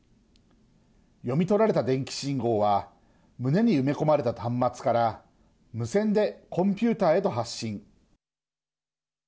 読み取られた電気信号は胸に埋め込まれた端末から無線でコンピューターへと発信。